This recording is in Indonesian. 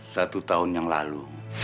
satu tahun yang lalu